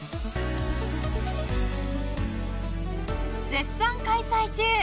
絶賛開催中！